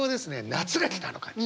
夏が来たあの感じ。